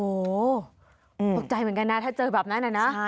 โปรดใจเหมือนกันนะถ้าเจอแบบนั้นนะนะ